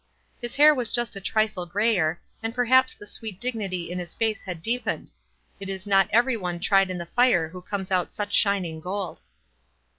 His hair was just a trifle gra} T cr, and perhaps the sweet dignity in his face had deepened — it is not every one tried in the fire who cemes out such shining gold.